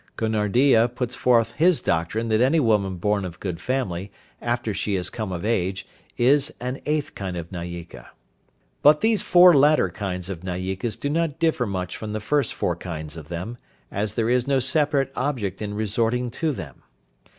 Gonardiya puts forth his doctrine that any woman born of good family, after she has come of age, is an eighth kind of Nayika. But these four latter kinds of Nayikas do not differ much from the first four kinds of them, as there is no separate object in resorting to them.